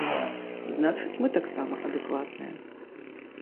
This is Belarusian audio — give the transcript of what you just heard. Значыць, мы таксама адэкватныя.